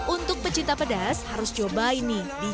untuk pecinta pedas harus berhubungan dengan ayam kampung